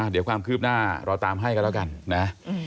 เดี๋ยวความคืบหน้าเราตามให้กันแล้วกันนะ